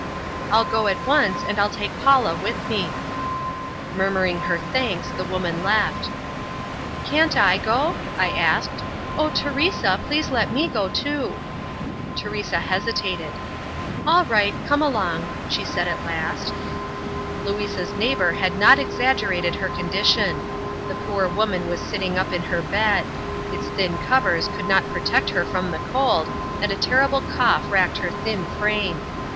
"I'll go at once, and I'll take Paula with me." Murmuring her thanks, the woman left. "Can't I go?" I said. "Oh, Teresa, please let me go too." Teresa hesitated. "All right, come along!" she said at last. Louisa's neighbor had not exaggerated her condition. The poor woman was sitting up in her bed. Its thin covers could not protect her from the cold, and a terrible cough racked her thin frame.